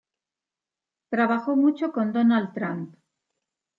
Trabajó mucho con Donald Trump.